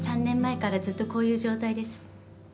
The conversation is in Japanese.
３年前からずっとこういう状態です。